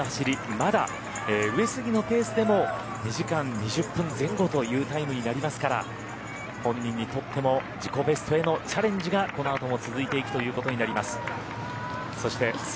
まだ上杉のペースでも２時間２０分前後というタイムになりますから本人にとっても自己ベストへのチャレンジがこのあとも続いていくことになります。